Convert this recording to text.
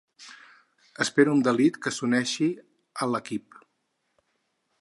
Espero amb delit que s'uneixi a l'equip.